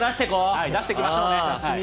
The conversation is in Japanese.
はい、出していきましょうね。